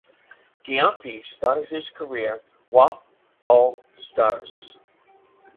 Gyamfi started his career Wa All Stars.